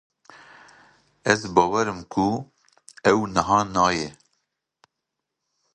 Ez bawerim ku ew niha neyê